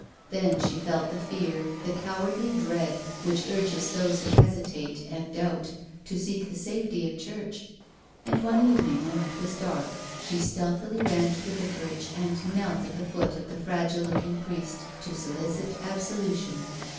Then she felt tlie fear, the cowardly dread, which 206 A woman ;^ life. urges those who hesitate and doubt to seek the safety of the Church, and one evening, when it was dark, she stealthily ran to the vicarage, and knelt at the foot of the fragile looking priest to solicit absolution.